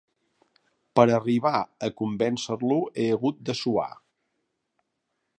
Per a arribar a convèncer-lo he hagut de suar.